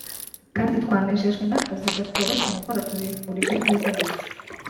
kandi twanejejwe n’ akazi katoroshye mukora tubifurije ibyiza gusa